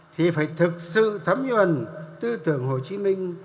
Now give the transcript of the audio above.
thì phải thực sự thấm nhuận tư tưởng hồ chí minh